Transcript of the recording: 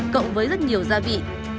cộng với rất nhiều gia vị